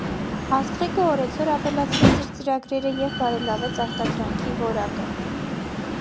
Աստղիկը օրեցօր ավելացրեց իր ծրագրերը և բարելավեց արտադրանքի որակը։